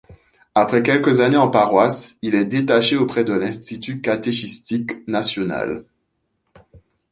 Après quelques années en paroisse, il est détaché auprès de l'institut catéchistique national.